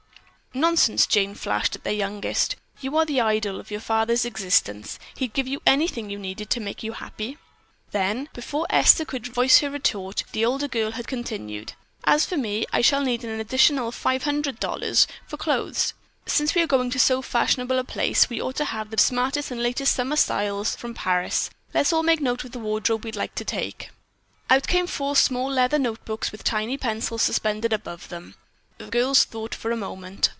"Nonsense," Jane flashed at their youngest. "You are the idol of your artist father's existence. He'd give you anything you needed to make you happy." Then, before Esther could voice her retort, the older girl had continued: "As for me, I shall need an additional $500 for clothes. Since we are going to so fashionable a place, we ought to have the smartest and latest summer styles from Paris. Let's all make note of the wardrobe we'd like to take." Out came four small leather notebooks and with tiny pencils suspended above them, the girls thought for a moment.